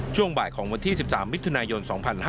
ช่วงบ่ายของวันที่๑๓มิถุนายน๒๕๕๙